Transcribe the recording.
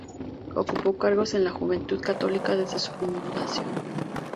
Ocupó cargos en la Juventud Católica desde su fundación.